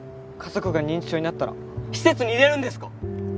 家族が認知症になったら施設に入れるんですか？